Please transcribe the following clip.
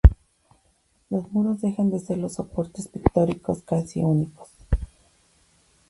Los muros dejan de ser los soportes pictóricos casi únicos.